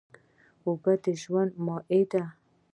اوبه د ژوند مایه ده.